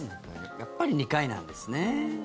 やっぱり２回なんですね。